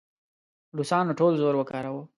روسانو ټول زور وکاراوه.